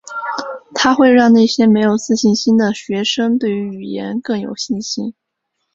它会让那些没有自信心的学生对于语言更有信心。